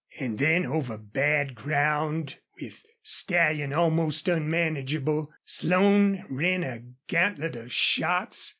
And then over bad ground, with the stallion almost unmanageable, Slone ran a gantlet of shots.